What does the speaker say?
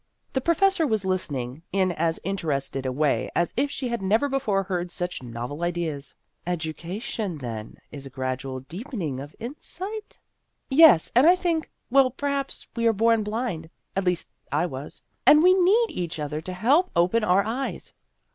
The professor was listening in as inter ested a way as if she had never before heard such novel ideas. " Education, then, is a gradual deepening of insight ?"" Yes, and I think Well, perhaps we are born blind. At least, I was. And we need other people to help open our eyes.